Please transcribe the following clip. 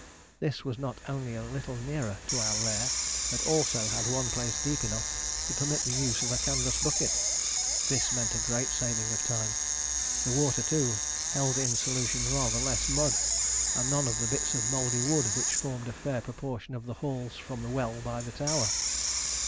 This was not only a little nearer to our lair, but also had one place deep enough to permit the use of a canvas bucket. This meant a great saving of time. The water, too, held in solution rather less mud, and none of the bits of mouldy wood which formed a fair proportion of the hauls from the well by the tower.